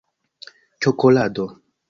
ĉokolado